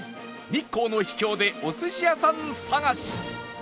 日光の秘境でお寿司屋さん探し